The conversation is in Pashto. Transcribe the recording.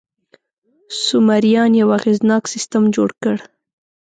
سومریان یو اغېزناک سیستم جوړ کړ.